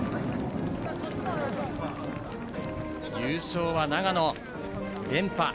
優勝は長野、連覇。